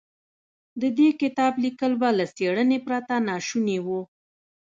د دې کتاب ليکل به له څېړنې پرته ناشوني و.